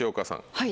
はい。